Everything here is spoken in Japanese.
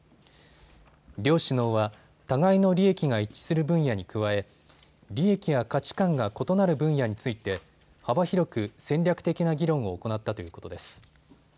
両首脳は互いの利益が一致する分野に加え、利益や価値観が異なる分野について幅広く戦略的な議論を行ったということです。